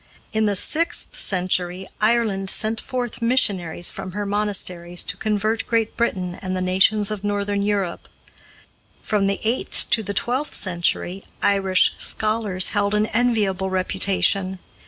In the sixth century Ireland sent forth missionaries from her monasteries to convert Great Britain and the nations of Northern Europe. From the eighth to the twelfth century Irish scholars held an enviable reputation.